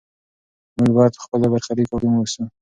موږ باید په خپل برخلیک حاکم واوسو.